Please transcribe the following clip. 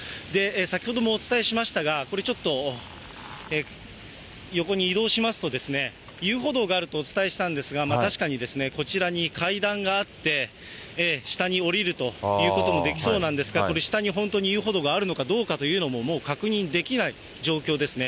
先ほどもお伝えしましたが、これちょっと、横に移動しますとですね、遊歩道があるとお伝えしたんですが、確かにこちらに階段があって、下に下りるということもできそうなんですが、これ、下に本当に遊歩道があるのかどうかというのも、もう確認できない状況ですね。